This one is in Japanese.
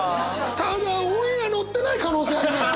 ただオンエアのってない可能性あります！